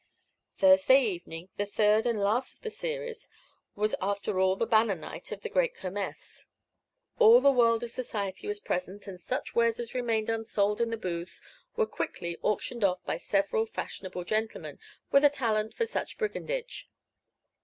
Thursday evening, the third and last of the series, was after all the banner night of the great Kermess. All the world of society was present and such wares as remained unsold in the booths were quickly auctioned off by several fashionable gentlemen with a talent for such brigandage.